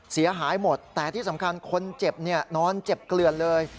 เสียหายหมดแต่ที่สำคัญคนเจ็บเนี่ยนอนเจ็บเกลือนเลย